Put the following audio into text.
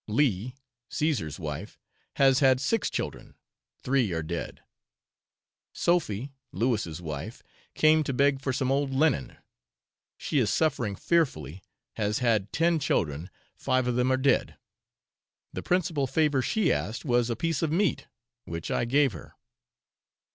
Leah, Caesar's wife, has had six children, three are dead. Sophy, Lewis' wife, came to beg for some old linen; she is suffering fearfully, has had ten children, five of them are dead. The principal favour she asked was a piece of meat, which I gave her.